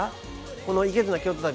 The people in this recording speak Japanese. この「いけずな京都旅」